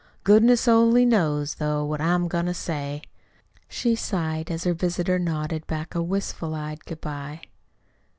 Goodness only knows, though, what I'm goin' to say," she sighed, as her visitor nodded back a wistful eyed good bye.